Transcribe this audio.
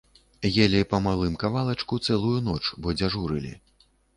Елі па малым кавалачку цэлую ноч, бо дзяжурылі.